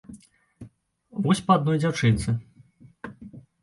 Вось па адной дзяўчынцы.